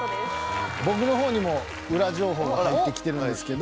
僕の方にもウラ情報が入ってきてるんですけど。